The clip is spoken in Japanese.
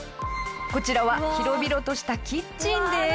こちらは広々としたキッチンです。